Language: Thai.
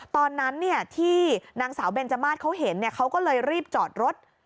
ตอนนั้นที่นางสาวเบนจมาสเขาเห็นเขาก็เลยรีบจอดรถ